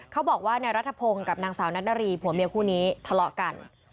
เขาบอกว่านายรัฐพงศ์กับนางสาวนัทนารีผัวเมียคู่นี้ทะเลาะกัน